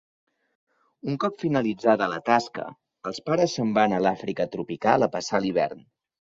Un cop finalitzada la tasca, els pares se'n van a l'Àfrica tropical a passar l'hivern.